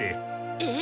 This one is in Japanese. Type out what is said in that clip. えっ？